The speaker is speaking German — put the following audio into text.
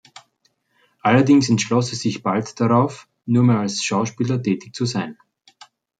Allerdings entschloss er sich bald darauf, nur mehr als Schauspieler tätig zu sein.